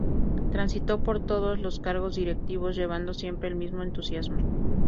Transitó por todos los cargo directivos, llevando siempre el mismo entusiasmo.